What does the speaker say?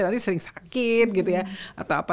nanti sering sakit gitu ya